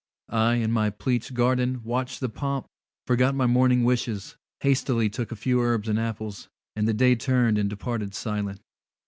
I, in my pleached garden, watched the pomp, Forgot my morning wishes, hastily Took a few herbs and apples, and the Day Turned and departed silent.